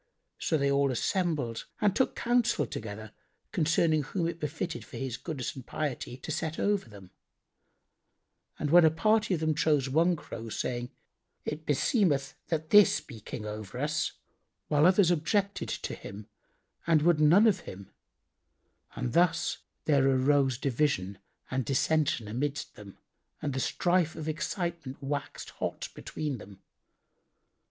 So they all assembled and took counsel together concerning whom it befitted for his goodness and piety to set over them; and a party of them chose one Crow, saying, "It beseemeth that this be King over us," whilst others objected to him and would none of him; and thus there arose division and dissension amidst them and the strife of excitement waxed hot between them.